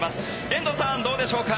遠藤さん、どうでしょうか。